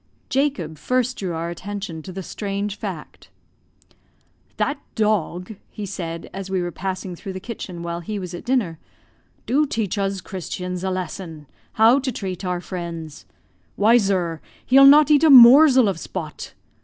Jacob first drew our attention to the strange fact. "That dog," he said, as we were passing through the kitchen while he was at dinner, "do teach uz Christians a lesson how to treat our friends. Why, zur, he'll not eat a morzel of Spot.